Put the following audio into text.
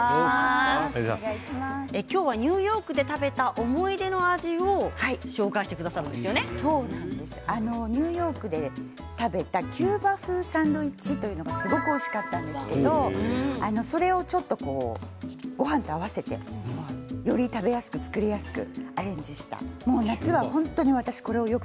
今日はニューヨークで食べた思い出の味をニューヨークで食べたキューバ風サンドイッチというのがすごくおいしかったんですけどそれをちょっとごはんと合わせてより食べやすく作りやすくアレンジしたものです。